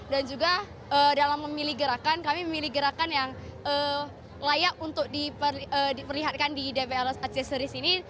dan juga dalam memilih gerakan kami memilih gerakan yang layak untuk diperlihatkan di dpr aceh seri sini